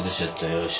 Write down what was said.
よし。